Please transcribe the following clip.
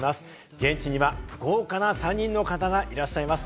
現地には豪華な３人の方がいらっしゃいます。